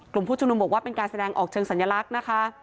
ผู้ชุมนุมบอกว่าเป็นการแสดงออกเชิงสัญลักษณ์นะคะ